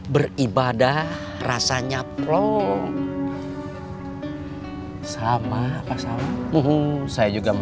beribadah rasanya plong